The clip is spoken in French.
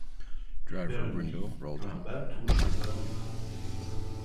Il perd une vie quand la balle touche le bas de l’écran.